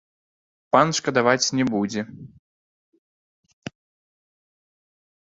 Пан шкадаваць не будзе!